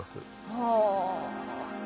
はあ。